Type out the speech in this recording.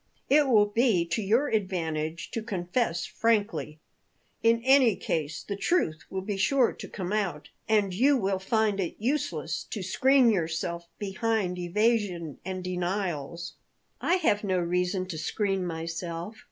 It will be to your advantage to confess frankly. In any case the truth will be sure to come out, and you will find it useless to screen yourself behind evasion and denials." "I have no desire to screen myself.